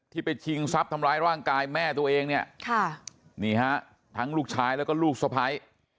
ไปชิงทรัพย์ทำร้ายร่างกายแม่ตัวเองเนี่ยค่ะนี่ฮะทั้งลูกชายแล้วก็ลูกสะพ้าย